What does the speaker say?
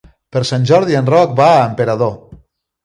Per Sant Jordi en Roc va a Emperador.